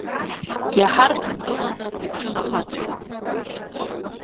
Иаҳа рҽынкыланы иԥшын ахацәа.